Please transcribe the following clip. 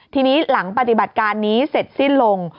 ทีนี้หลังปฏิบัติการนี้เสร็จสิ้นลง